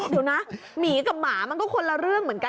เดี๋ยวนะหมีกับหมามันก็คนละเรื่องเหมือนกัน